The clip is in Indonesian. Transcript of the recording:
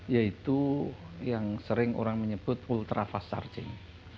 yaitu yang sering orang menyebut ultra fast charging